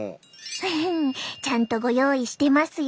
フフフちゃんとご用意してますよ。